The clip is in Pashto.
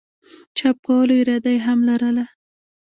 چاپ کولو اراده ئې هم لرله